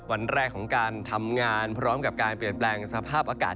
วันแรกของการทำงานพร้อมกับการเปลี่ยนแปลงสภาพอากาศ